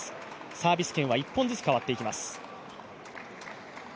サービス権は１本ずつかわっていきます。